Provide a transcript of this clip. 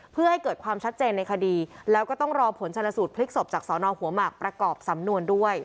เพื่อให้เกิดความชัดเจนในคดีแล้วก็ต้องรอผลชนสูตรพลิกศพจากสอนอหัวหมากประกอบสำนวนด้วย